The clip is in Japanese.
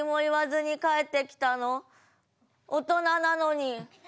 大人なのに。